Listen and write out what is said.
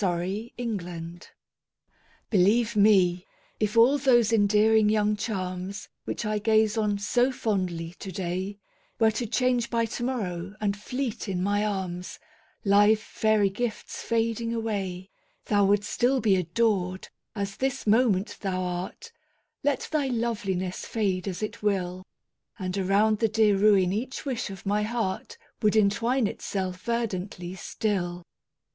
4 Autoplay Believe me, if all those endearing young charms, Which I gaze on so fondly to day, Were to change by to morrow, and fleet in my arms, Live fairy gifts fading away, Thou wouldst still be adored, as this moment thou art, Let thy loveliness fade as it will, And around the dear ruin each wish of my heart Would entwine itself verdantly still.